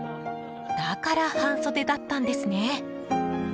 だから半袖だったんですね。